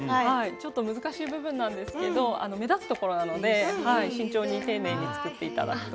ちょっと難しい部分なんですけど目立つところなので慎重に丁寧に作って頂くといいですね。